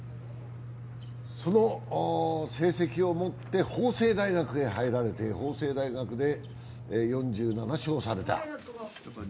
その成績を持って法政大学へ入られて、法政大学で４７勝された。